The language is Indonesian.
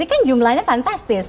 ini kan jumlahnya fantastis